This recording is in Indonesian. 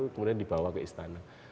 kemudian dibawa ke istana